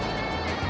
jangan makan aku